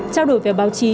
trao đổi về báo chí